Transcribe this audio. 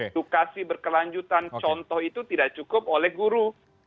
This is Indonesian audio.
edukasi berkelanjutan contoh itu tidak cukup oleh guru